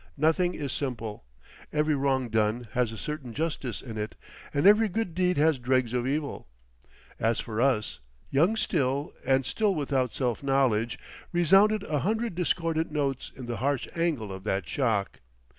Nothing is simple. Every wrong done has a certain justice in it, and every good deed has dregs of evil. As for us, young still, and still without self knowledge, resounded a hundred discordant notes in the harsh angle of that shock.